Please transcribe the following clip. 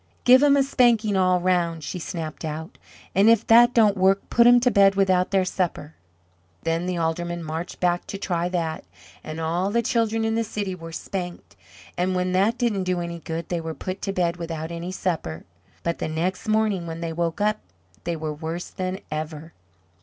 "Give 'em a spanking all 'round," she snapped out, "and if that don't work put 'em to bed without their supper." Then the Aldermen marched back to try that; and all the children in the city were spanked, and when that didn't do any good they were put to bed without any supper. But the next morning when they woke up they were worse than ever.